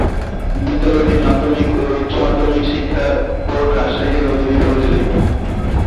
বিদ্যালয়টি মাধ্যমিক ও উচ্চ মাধ্যমিক শিক্ষা বোর্ড রাজশাহী এর অধীনে পরিচালিত।